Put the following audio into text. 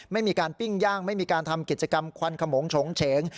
ไม่มีการปิ้งย่างไม่มีการทำกิจกรรมควันขมงโฉงเฉง